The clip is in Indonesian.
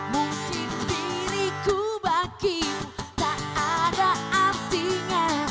mungkin diriku bagimu tak ada artinya